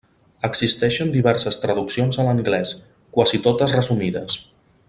Existeixen diverses traduccions a l'anglès, quasi totes resumides.